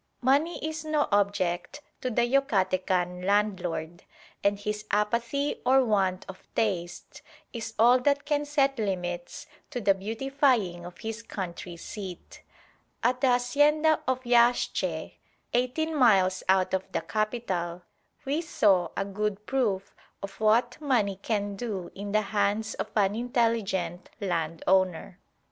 Money is no object to the Yucatecan landlord; and his apathy or want of taste is all that can set limits to the beautifying of his country seat. At the hacienda of Yaxche, eighteen miles out of the capital, we saw a good proof of what money can do in the hands of an intelligent land owner.